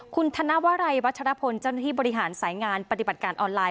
คุณธนวลัยวัชรพลเจ้าหน้าที่บริหารสายงานปฏิบัติการออนไลน